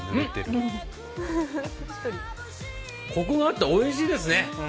こくがあっておいしいですね。